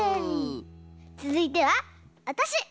つづいてはわたし！